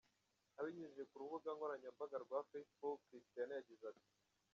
Abinyujije ku rubuga nkoranyambanga rwa Facebook, Cristiano yagize ati: .